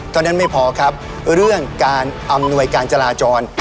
เท่านั้นไม่พอครับเรื่องการอำนวยการจราจร